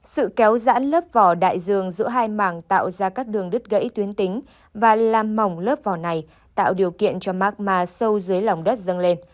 sự kéo dãn lớp vỏ đại dương giữa hai mảng tạo ra các đường đứt gãy tuyến tính và làm mỏng lớp vỏ này tạo điều kiện cho magma sâu dưới lòng đất dâng lên